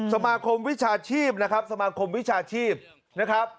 สมาคมวิชาชีพนะครับสมาคมวิชาชีพนะครับ